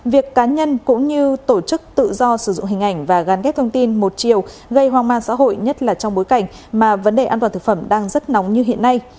việc cá nhân cũng như tổ chức tự do sử dụng hình ảnh và gắn ghép thông tin một chiều gây hoang mang xã hội nhất là trong bối cảnh mà vấn đề an toàn thực phẩm đang rất nóng như hiện nay